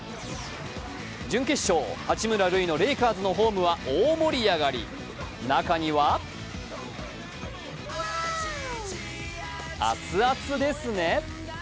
準決勝、八村塁のレイカーズのホームは大盛り上がり中には、アツアツですね。